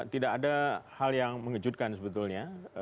tidak ada hal yang mengejutkan sebetulnya